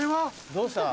どうした？